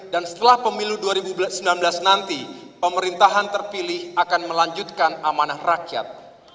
dan setelah pemilu dua ribu sembilan belas nanti pemerintahan terpilih akan melanjutkan amanah rakyat